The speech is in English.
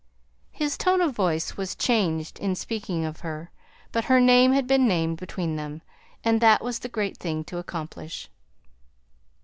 His tone of voice was changed in speaking of her, but her name had been named between them, and that was the great thing to accomplish.